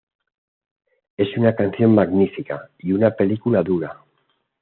Es una canción magnífica y una película dura.